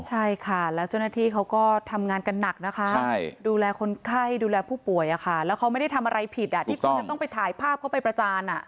ใช่ค่ะแล้วเจ้าหน้าที่เขาก็ทำงานกันหนักนะคะใช่